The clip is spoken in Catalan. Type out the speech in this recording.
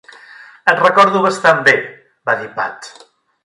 "Et recordo bastant bé", va dir Pat.